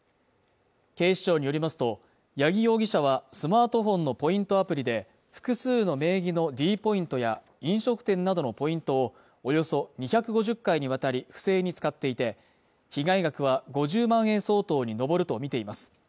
警視庁によりますと、八木容疑者はスマートフォンのポイントアプリで複数の名義のｄポイントや飲食店などのポイントを、およそ２５０回にわたり不正に使っていて、被害額は５０万円相当に上るとみています。